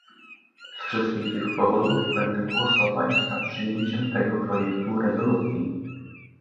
Z wszystkich tych powodów będę głosować za przyjęciem tego projektu rezolucji